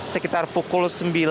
sekitar pukul sembilan